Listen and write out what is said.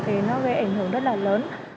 thì nó gây ảnh hưởng rất lớn